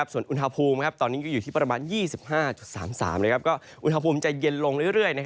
ส่วนอุณหภูมิตอนนี้ก็อยู่ที่ประมาณ๒๕๓๓ก็อุณหภูมิจะเย็นลงเรื่อย